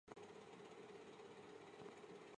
可以用微扰理论求解该近似模型。